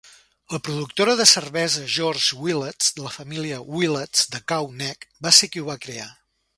La productora de cervesa George Willets de la família Willets de Cow Neck va ser qui ho va crear.